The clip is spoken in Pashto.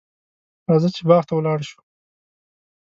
راځه چې باغ ته ولاړ شو.